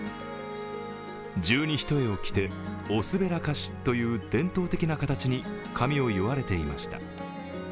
十二ひとえを着て、おすべらかしという伝統的な形に髪を結われていました。